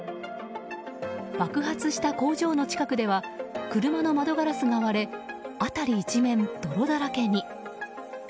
爆発した工場の近くでは車の窓ガラスが割れ辺り一面、泥だらけに。